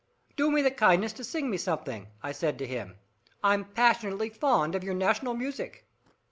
"Do me the kindness to sing me something," I said to him, "I'm passionately fond of your national music."